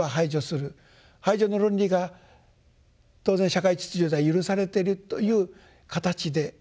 排除の論理が当然社会秩序では許されてるという形で。